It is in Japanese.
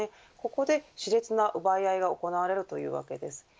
ここで、し烈な奪い合いが行われるというわけです。